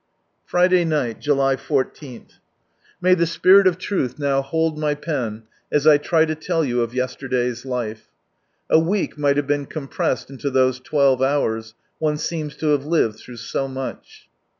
Friday night, July i+^May the Spirit of Truth now hold my pen, as I try to tell you of yesterday's life. A week might have been compressed into those twelve hours, one seems to have lived through so much.